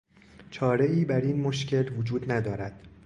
چارهای براین مشکل وجود ندارد.